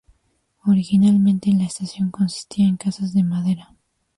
Originalmente la estación consistía en casas de madera.